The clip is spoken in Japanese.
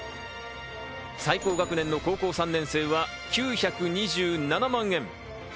最高学年の高校３年生は９２７万円。